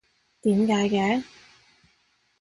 點解嘅？